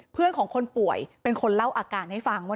เพื่อนของคนป่วยเป็นคนเล่าอาการให้ฟังว่า